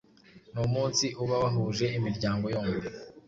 Ni umunsi uba wahuje imiryango yombi